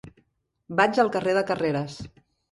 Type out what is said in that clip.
Vaig al carrer de Carreras.